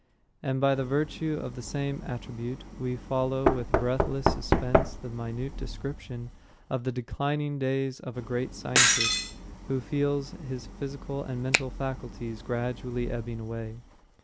And by virtue of the same attribute we follow with breathless suspense the minute description of the declining days of a great scientist, who feels his physical and mental faculties gradually ebbing away.